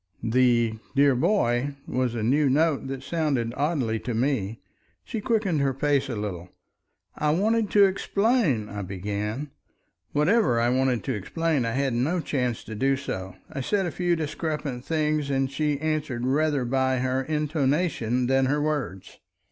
The "dear boy" was a new note, that sounded oddly to me. She quickened her pace a little. "I wanted to explain—" I began. Whatever I wanted to explain I had no chance to do so. I said a few discrepant things that she answered rather by her intonation than her words.